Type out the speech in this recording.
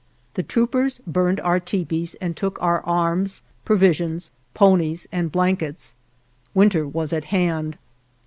The troopers burned our tepees and took our arms, provisions, ponies, and blankets. Winter was at hand.